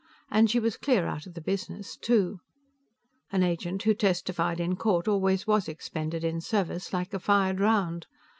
And she was clear out of the business, too. An agent who testified in court always was expended in service like a fired round.